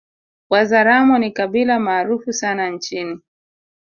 Wazaramo ni kabila maarufu sana nchini